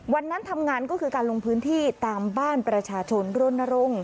วันนั้นทำงานก็คือการลงพื้นที่ตามบ้านประชาชนรณรงค์